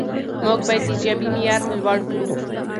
موږ باید د ژبې معیار لوړ کړو.